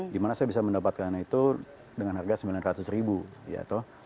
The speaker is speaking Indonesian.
gimana saya bisa mendapatkan itu dengan harga sembilan ratus ribu